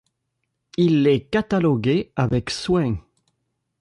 Il les cataloguait avec soin.